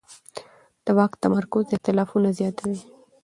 د واک تمرکز اختلافونه زیاتوي